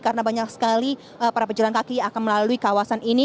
karena banyak sekali para pejalan kaki akan melalui kawasan ini